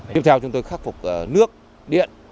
tiếp theo chúng tôi khắc phục nước điện